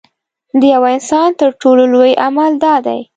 د یوه انسان تر ټولو لوی عمل دا دی.